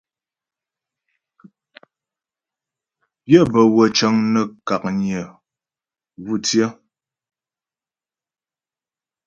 Pyə́ bə́wə́ cəŋ nə́ ka'nyə vú tsyə.